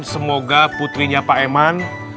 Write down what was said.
semoga putrinya pak eman